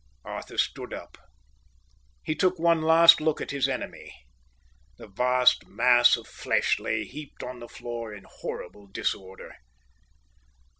Arthur stood up. He took one last look at his enemy. That vast mass of flesh lay heaped up on the floor in horrible disorder.